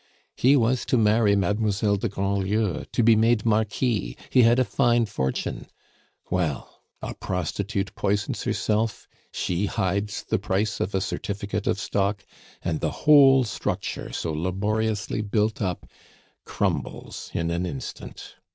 He was to marry Mademoiselle de Grandlieu, to be made marquis; he had a fine fortune; well, a prostitute poisons herself, she hides the price of a certificate of stock, and the whole structure so laboriously built up crumbles in an instant.